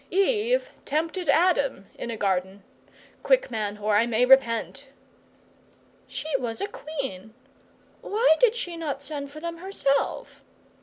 Eve tempted Adam in a garden. Quick, man, or I may repent!"' 'She was a Queen. Why did she not send for them herself?